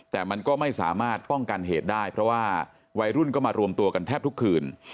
แต่มันก็ไม่สามารถป้องกันเหตุได้เพราะว่าวัยรุ่นก็มารวมตัวกันแทบทุกคืน